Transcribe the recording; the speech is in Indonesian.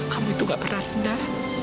kamu itu gak pernah dengar